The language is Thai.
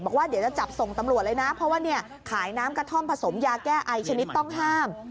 บอกว่าเดี๋ยวจะจับส่งตำรวจเลยนะเพราะว่าเนี่ยขายน้ำกระท่อมผสมยาแก้ไอชนิดต้องห้าม